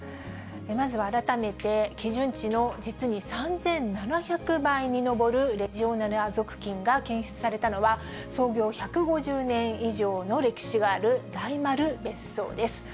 まずは改めて、基準値の実に３７００倍に上るレジオネラ属菌が検出されたのは、創業１５０年以上の歴史がある大丸別荘です。